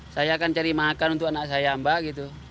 saya akan cari makan untuk anak saya mbak gitu